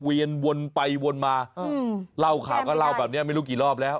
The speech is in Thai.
วนไปวนมาเล่าข่าวก็เล่าแบบนี้ไม่รู้กี่รอบแล้ว